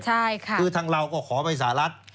คือทางเราก็ขอไปสหรัฐ